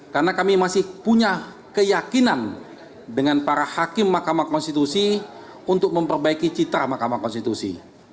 karena kami masih punya keyakinan dengan para hakim mahkamah konstitusi untuk memperbaiki cita mahkamah konstitusi